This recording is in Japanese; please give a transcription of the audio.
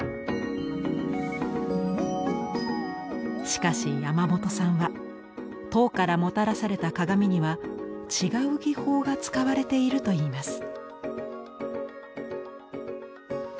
しかし山本さんは唐からもたらされた鏡には違う技法が使われているといいます。